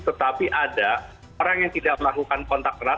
tetapi ada orang yang tidak melakukan kontak erat